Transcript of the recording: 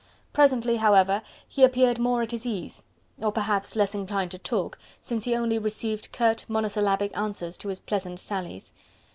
Presently, however, he appeared more at his ease, or perhaps less inclined to talk, since he only received curt monosyllabic answers to his pleasant sallies.